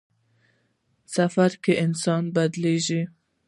سفر کې انسان بدلېږي.